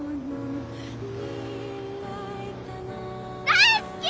大好き！